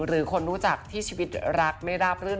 หรือคนรู้จักที่ชีวิตรักไม่ราบรื่น